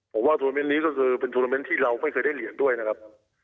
ผมว่าโทรเมนต์นี้ก็คือเป็นโทรเมนต์ที่เราไม่เคยได้เหรียญด้วยนะครับ